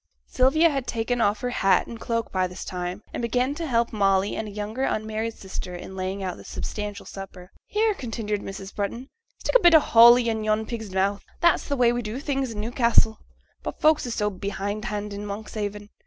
Sylvia had taken off her hat and cloak by this time, and began to help Molly and a younger unmarried sister in laying out the substantial supper. 'Here,' continued Mrs. Brunton; 'stick a bit o' holly i' yon pig's mouth, that's the way we do things i' Newcassel; but folks is so behindhand in Monkshaven.